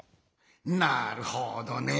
なるほどね。